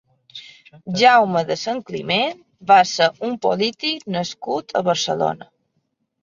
Jaume de Santcliment va ser un polític nascut a Barcelona.